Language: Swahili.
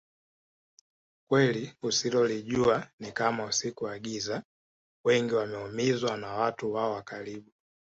Kweli usilolijua Ni Kama usiku wa Giza wengi wameumizwa na watu wao wa karibu